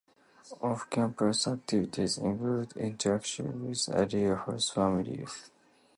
Off-campus activities include interaction with area host families.